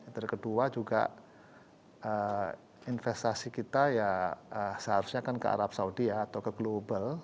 terus kedua juga investasi kita ya seharusnya kan ke arab saudi ya atau ke global